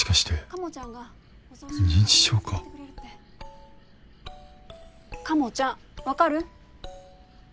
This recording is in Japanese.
カモちゃんわかる？